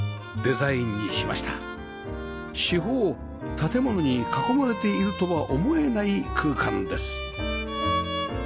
四方を建物に囲まれているとは思えない空間です